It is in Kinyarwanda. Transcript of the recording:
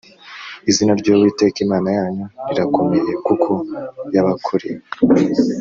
izina ry uwiteka imana yanyu rirakomeye kuko yabakoreye